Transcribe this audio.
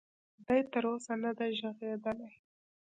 دې تر اوسه ندی ږغېدلی.